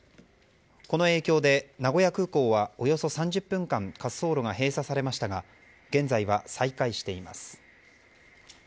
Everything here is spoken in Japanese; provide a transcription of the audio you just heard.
この影響で名古屋空港はおよそ３０分間滑走路が閉鎖されましたが現在は再開しています。